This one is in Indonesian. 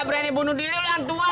berani bunuh diri lu yang tua